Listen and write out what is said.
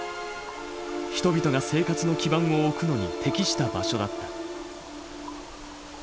人々が生活の基盤を置くのに適した場所だった。